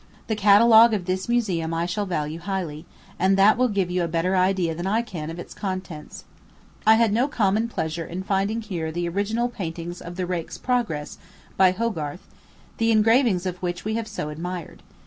The catalogue of this museum I shall value highly, and that will give you a better idea than I can of its contents. I had no common pleasure in finding here the original paintings of the Rake's Progress, by Hogarth, the engravings of which we have so admired.